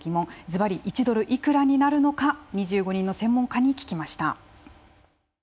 ずばり１ドルいくらになるのか２５人の専門家に聞きました。